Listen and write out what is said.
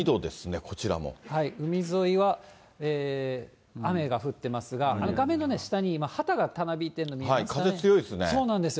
海沿いは雨が降ってますが、画面の下に、今、旗がたなびいているの風強いですね。